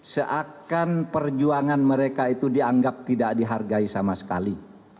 seakan perjuangan mereka itu dianggap tidak dihargai sama sekali